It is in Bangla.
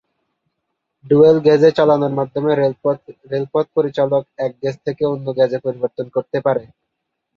ডুয়েল গেজে চালানো মাধ্যমে রেলপথ পরিচালক এক গেজ থেকে অন্য গেজে পরিবর্তন করতে পারে।